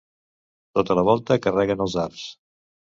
Tota la volta carrega en els arcs.